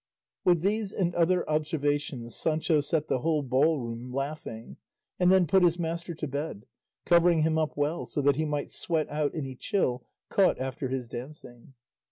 With these and other observations Sancho set the whole ball room laughing, and then put his master to bed, covering him up well so that he might sweat out any chill caught after his dancing.